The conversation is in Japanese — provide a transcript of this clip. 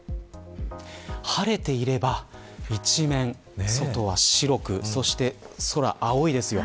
晴れていれば一面外は白くそして、空青いですよ。